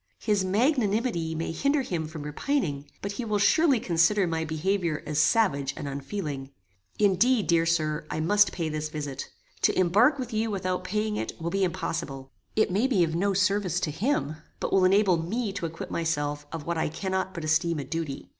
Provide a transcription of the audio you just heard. His magnanimity may hinder him from repining, but he will surely consider my behaviour as savage and unfeeling. Indeed, dear Sir, I must pay this visit. To embark with you without paying it, will be impossible. It may be of no service to him, but will enable me to acquit myself of what I cannot but esteem a duty.